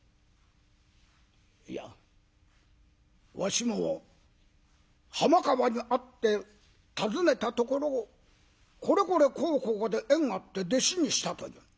「いやわしも浜川に会って尋ねたところこれこれこうこうで縁あって弟子にしたという」。